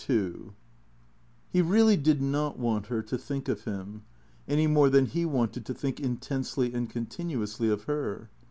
II HE really did not want her to think of him, any more than he wanted to think intensely and continuously of her.